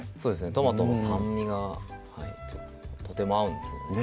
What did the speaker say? トマトの酸味がとても合うんですよね